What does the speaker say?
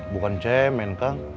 bukan cemen kang